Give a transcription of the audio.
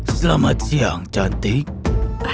selamat siang cantik